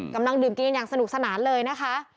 กำลังดื่มกินกันอย่างสนุกสนานเลยนะคะ